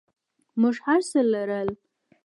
موږ هرڅه لرل.